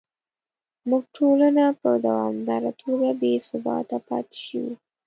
زموږ ټولنه په دوامداره توګه بې ثباته پاتې شوې.